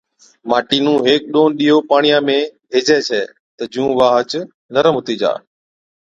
ماٽِي نُون هيڪ ڏون ڏِيئو پاڻِيان ۾ ڀيجَي ڇَي تہ جُون واهچ نرم هتِي جا،